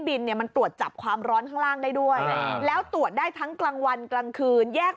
เนี่ยมันตรวจจับความร้อนข้างล่างได้ด้วยแล้วตรวจได้ทั้งกลางวันกลางคืนแยก